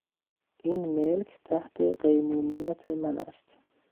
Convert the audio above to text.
این ملک تحت قیمومت من است.